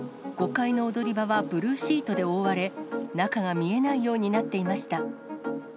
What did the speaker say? ５階の踊り場はブルーシートで覆われ、中が見えないようになっていました。